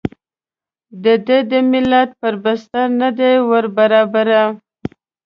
د ده د ملت پر بستر نه ده وربرابره.